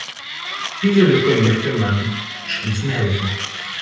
Diese Lücke möchte man schließen helfen.